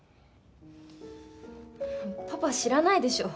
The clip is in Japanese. パパ知らないでしょ。